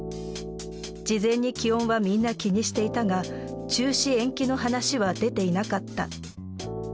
事前に気温はみんな気にしていたが、中止延期の話は出ていなかった。